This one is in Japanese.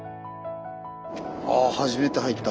あ初めて入った。